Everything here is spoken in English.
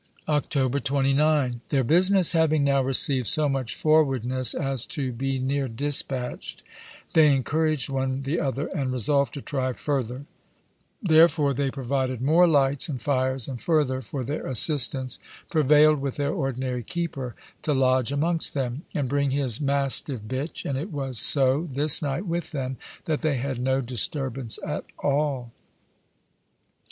October 29. Their businesse having now received so much forwardnesse as to be neer dispatcht, they encouraged one the other, and resolved to try further; therefore, they provided more lights and fires, and further for their assistance, prevailed with their ordinary keeper to lodge amongst them, and bring his mastive bitch; and it was so this night with them, that they had no disturbance at all.